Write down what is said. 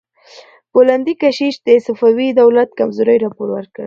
پولندي کشیش د صفوي دولت کمزورۍ راپور ورکړ.